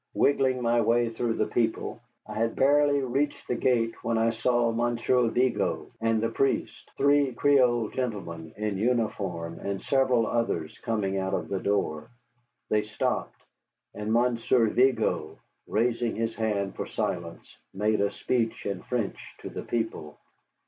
Wriggling my way through the people, I had barely reached the gate when I saw Monsieur Vigo and the priest, three Creole gentlemen in uniform, and several others coming out of the door. They stopped, and Monsieur Vigo, raising his hand for silence, made a speech in French to the people.